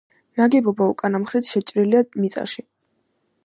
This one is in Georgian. ნაგებობა უკანა მხრით შეჭრილია მიწაში.